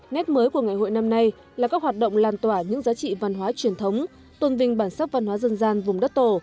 nét mới của ngày hội năm nay là các hoạt động lan tỏa những giá trị văn hóa truyền thống tôn vinh bản sắc văn hóa dân gian vùng đất tổ